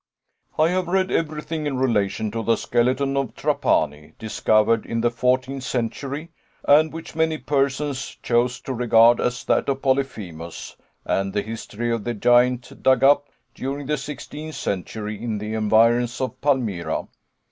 "I have read everything in relation to the skeleton of Trapani, discovered in the fourteenth century, and which many persons chose to regard as that of Polyphemus, and the history of the giant dug up during the sixteenth century in the environs of Palmyra.